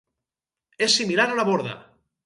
És similar a la borda.